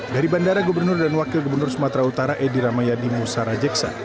dari bandara gubernur dan wakil gubernur sumatera utara edy rahmayadi musa rajeksya